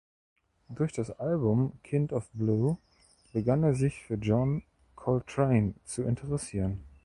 Durch das Album Kind of Blue begann er sich für John Coltrane zu interessieren.